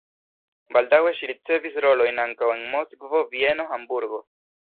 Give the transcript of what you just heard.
Baldaŭe ŝi ricevis rolojn ankaŭ en Moskvo, Vieno, Hamburgo.